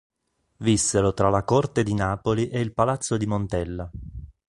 Vissero tra la corte di Napoli e il palazzo di Montella.